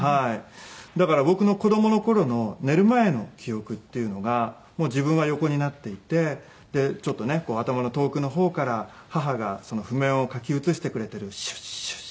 だから僕の子供の頃の寝る前の記憶っていうのがもう自分は横になっていてちょっとね頭の遠くの方から母が譜面を書き写してくれてるシュッシュッシュッていうねマジックの音が。